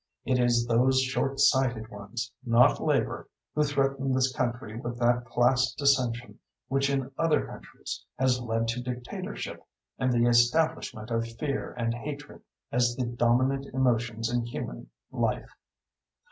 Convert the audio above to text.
It is those short sighted ones, not labor, who threaten this country with that class dissension which in other countries has led to dictatorship and the establishment of fear and hatred as the dominant emotions in human life.